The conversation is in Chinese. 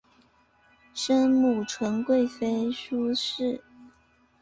生母纯贵妃苏氏。